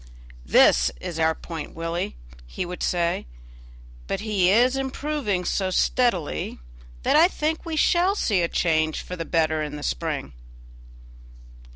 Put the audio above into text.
"This is our point, Willie," he would say; "but he is improving so steadily that I think we shall see a change for the better in the spring."